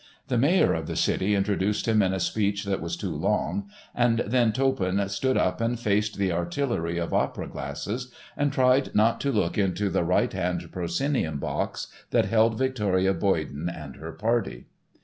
The mayor of the city introduced him in a speech that was too long, and then Toppan stood up and faced the artillery of opera glasses, and tried not to look into the right hand proscenium box that held Victoria Boyden and her party.